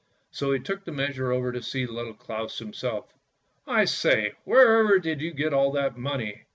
" So he took the measure over to Little Claus himself. " I say, wherever did you get all that money?